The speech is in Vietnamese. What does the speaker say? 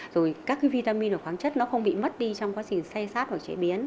rồi các vitamin và khoáng chất nó không bị mất đi trong quá trình xay sát hoặc chế biến